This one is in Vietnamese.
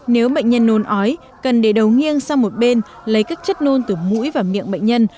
nếu bệnh nhân nôn ói cần để đầu nghiêng sang một bên lấy các chất nôn từ mũi và miệng bệnh nhân